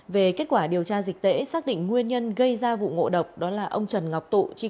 về kết quả điều tra dịch tễ xác định nguyên nhân gây ra vụ ngộ độc đó là ông trần ngọc tụ